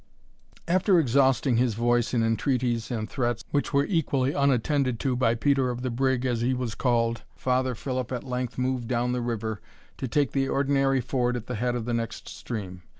After exhausting his voice in entreaties and threats, which were equally unattended to by Peter of the Brig, as he was called, Father Philip at length moved down the river to take the ordinary ford at the head of the next stream.